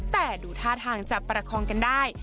แต่ดูท่าทางจะประคองกันได้